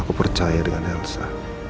aku percaya dengan elsa